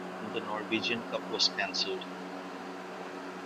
The Norwegian Cup was cancelled.